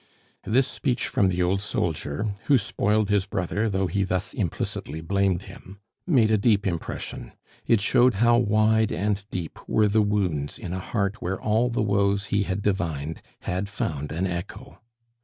This speech from the old soldier, who spoiled his brother though he thus implicitly blamed him, made a deep impression. It showed how wide and deep were the wounds in a heart where all the woes he had divined had found an echo.